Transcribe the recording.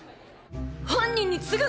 犯人に告ぐ！